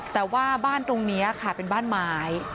แต่ว่าบ้านตรงนี้ค่ะเป็นบ้านไม้